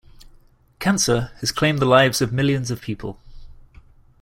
Cancer has claimed the lives of millions of people.